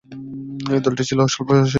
এই দলটি ছিল স্বল্পস্থায়ী।